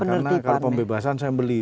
karena kalau pembebasan saya beli